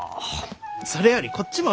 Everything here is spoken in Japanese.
それよりこっちも見て！